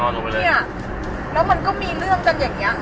ตอนนี้จะเปลี่ยนอย่างนี้หรอว้าง